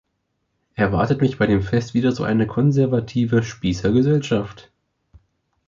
Erwartet mich bei dem Fest wieder so eine konservative Spießer-Gesellschaft?